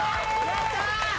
やったー！